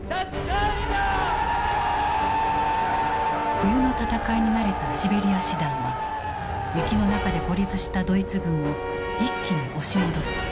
冬の戦いに慣れたシベリア師団は雪の中で孤立したドイツ軍を一気に押し戻す。